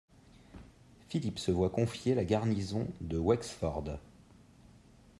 Philippe se voit confier la garnison de Wexford.